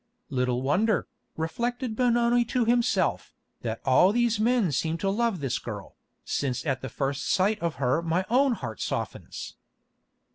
"Little wonder," reflected Benoni to himself, "that all men seem to love this girl, since at the first sight of her my own heart softens."